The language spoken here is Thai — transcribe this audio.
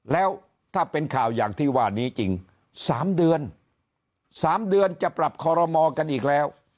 แล้วถ้าเป็นข่าวอย่างที่ว่านี้จริง๓เดือน๓เดือนจะปรับคอรมอกันอีกแล้ว